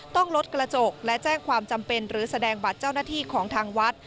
ต้องลดกระจกและแจ้งความจำเป็นหรือแสดงบัตรเจ้าหน้าที่ของทางวัด